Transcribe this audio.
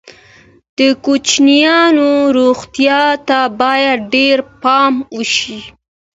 د کوچنیانو روغتیا ته باید ډېر پام وشي.